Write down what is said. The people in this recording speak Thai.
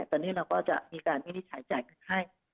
ตอนนี้เราก็จะมีการวินิจฉัยจ่ายเงินให้